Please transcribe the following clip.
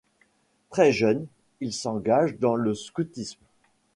Très jeune, elle s'engage dans le scoutisme.